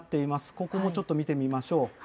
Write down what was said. ここもちょっと見てみましょう。